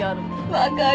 分かる。